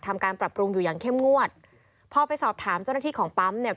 ทำการปรับปรุงอยู่อย่างเข้มงวดพอไปสอบถามเจ้าหน้าที่ของปั๊มเนี่ย